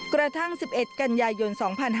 กระทั่ง๑๑กันยายน๒๕๕๙